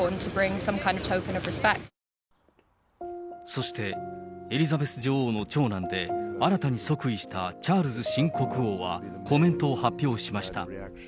そして、エリザベス女王の長男で、新たに即位したチャールズ新国王はコメントを発表しました。